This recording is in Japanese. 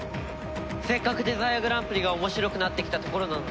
せっかくデザイアグランプリが面白くなってきたところなのに。